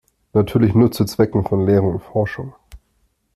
Natürlich nur zu Zwecken von Lehre und Forschung.